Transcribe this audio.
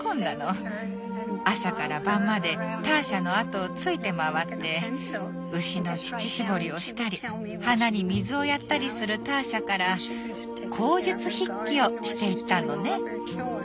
朝から晩までターシャの後をついて回って牛の乳搾りをしたり花に水をやったりするターシャから口述筆記をしていったのね。